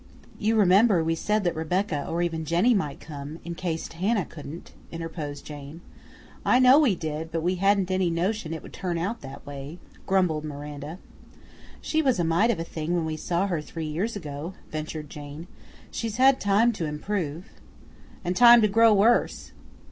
"You remember we said that Rebecca or even Jenny might come, in case Hannah couldn't," interposed Jane. "I know we did, but we hadn't any notion it would turn out that way," grumbled Miranda. "She was a mite of a thing when we saw her three years ago," ventured Jane; "she's had time to improve." "And time to grow worse!"